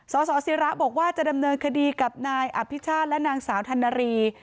สสิระบอกว่าจะดำเนินคดีกับนายอภิชาติและนางสาวธนรี